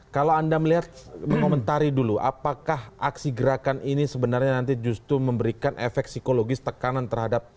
kalau anda melihat mengomentari dulu apakah aksi gerakan ini sebenarnya nanti justru memberikan efek psikologis tekanan terhadap